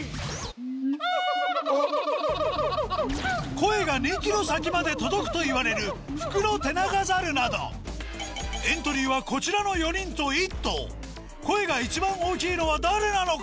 声が２ｋｍ先まで届くといわれるフクロテナガザルなどエントリーはこちらの４人と１頭声が一番大きいのは誰なのか？